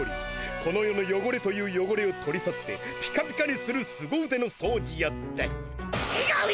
この世のよごれというよごれを取り去ってピカピカにするすご腕の掃除や。ってちがうよ！